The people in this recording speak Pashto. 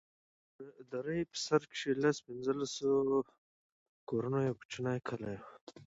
د درې په سر کښې د لس پينځه لسو کورونو يو کوچنى کلى و.